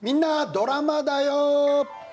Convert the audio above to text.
ドラマだよ」。